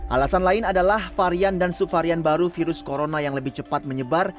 alasan lain adalah varian dan subvarian baru virus corona yang lebih cepat menyebar